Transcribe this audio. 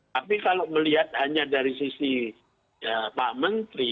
tapi kalau melihat hanya dari sisi pak menteri